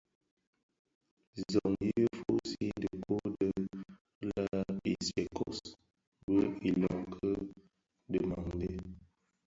Zohnyi fusii dhikuu di le Isékos bi iloňki dhimandé.